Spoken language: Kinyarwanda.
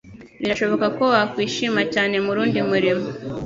Birashoboka ko wakwishima cyane murundi murimo.